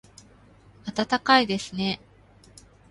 暖かいですね